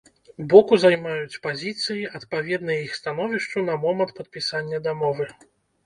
Боку займаюць пазіцыі, адпаведныя іх становішчу на момант падпісання дамовы.